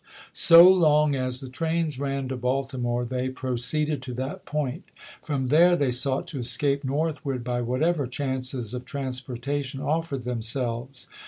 So long as the trains ran to Baltimore, they proceeded to that point ; from there they sought to escape north ward by whatever chances of transportation of fered themselves.